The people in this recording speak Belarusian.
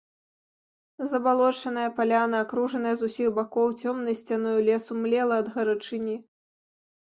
Забалочаная паляна, акружаная з усіх бакоў цёмнай сцяною лесу, млела ад гарачыні.